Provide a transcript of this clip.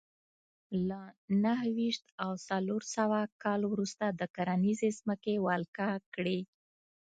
له نهه ویشت او څلور سوه کال وروسته د کرنیزې ځمکې ولکه کړې